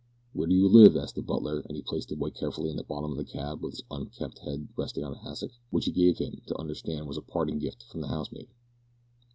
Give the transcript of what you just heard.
"Where do you live?" asked the butler, as he placed the boy carefully in the bottom of the cab with his unkempt head resting on a hassock, which he gave him to understand was a parting gift from the housemaid.